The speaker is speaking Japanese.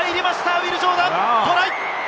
ウィル・ジョーダン、トライ！